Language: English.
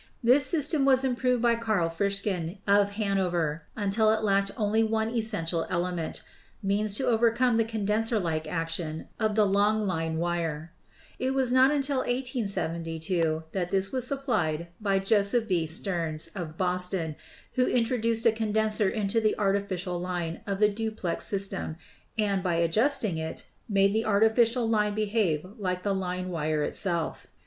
This system was improved by Carl Frischen, of Hanover, until it lacked only one essential element — means to overcome the condenser like action of the long line wire. It was not until 1872 that this was supplied by Joseph B. Stearns,, of Boston, who introduced a condenser into the artificial line of the duplex system and, by adjusting it, made the artificial line behave like the line wire itself.